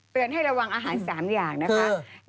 ให้ระวังอาหาร๓อย่างนะคะ